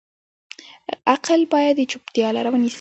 عقل باید د چوپتیا لاره ونیسي.